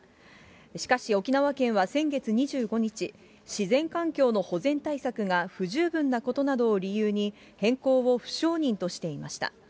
しかし、沖縄県は先月２５日、自然環境の保全対策が不十分なことなどを理由に、変更を不承認としていました。